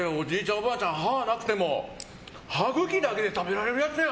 おばあちゃん、歯がなくても歯ぐきだけで食べられるやつや！